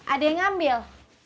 ada yang ambil